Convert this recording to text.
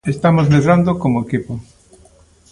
Estamos medrando como equipo.